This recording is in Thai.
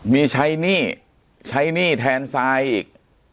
มีใช้หนี้ใช้หนี้แทนทรายอีก